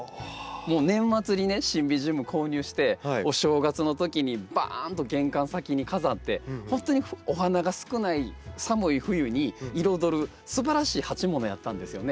もう年末にねシンビジウム購入してお正月のときにバーンと玄関先に飾ってほんとにお花が少ない寒い冬に彩るすばらしい鉢ものやったんですよね。